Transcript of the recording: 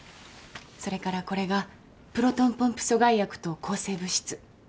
それからこれがプロトンポンプ阻害薬と抗生物質。